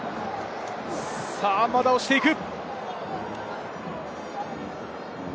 まだ押していく。